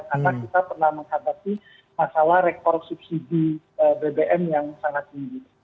karena kita pernah menghadapi masalah rekor subsidi bbm yang sangat tinggi